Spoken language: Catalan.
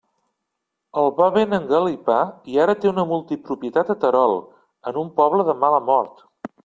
El va ben engalipar i ara té una multipropietat a Terol, en un poble de mala mort.